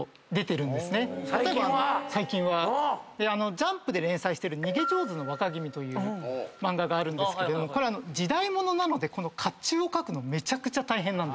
『ジャンプ』で連載してる。という漫画があるんですけれどもこれ時代物なのでこの甲冑を描くのめちゃくちゃ大変なんです。